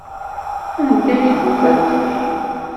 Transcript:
Anda ay d-ufant ti?